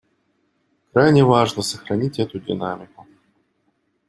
Крайне важно сохранить эту динамику.